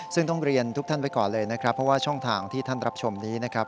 ซึ่งต้องเรียนทุกท่านไว้ก่อนเลยนะครับเพราะว่าช่องทางที่ท่านรับชมนี้นะครับ